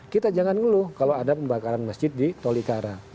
kita jangan ngeluh kalau ada pembakaran masjid di tolikara